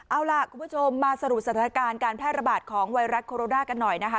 เอาล่ะคุณผู้ชมมาสรุปสถานการณ์การแพร่ระบาดของไวรัสโคโรนากันหน่อยนะคะ